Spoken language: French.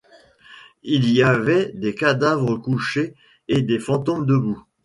Il y avait des cadavres couchés et des fantômes debout.